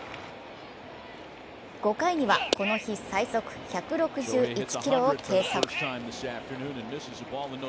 ５回にはこの日最速、１６１キロを計測。